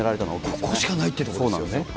ここしかないというとこですよね。